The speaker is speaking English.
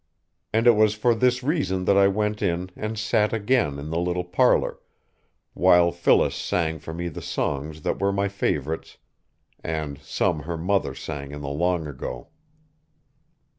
And it was for this reason that I went in and sat again in the little parlor, while Phyllis sang for me the songs that were my favorites, and some her mother sang in the long ago.